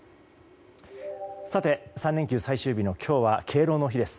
３連休最終日の今日は敬老の日です。